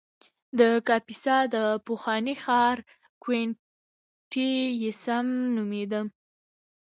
د کاپیسا د پخواني ښار کوینټیسیم نومېده